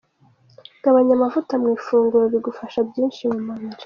Gabanya amavuta mu ifunguro bigufasha byinshi mu mubiri.